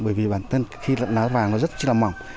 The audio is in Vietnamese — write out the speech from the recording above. bởi vì bản thân khi lá vàng nó rất là mỏng